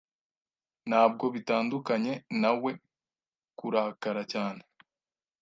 Ntabwo bitandukanye na we kurakara cyane.